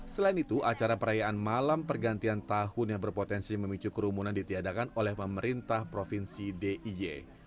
selain itu acara perayaan malam pergantian tahun yang berpotensi memicu kerumunan ditiadakan oleh pemerintah provinsi d i y